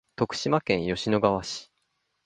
徳島県吉野川市